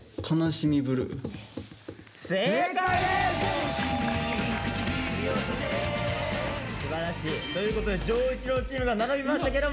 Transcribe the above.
正解です！ということで丈一郎チームが並びましたけども。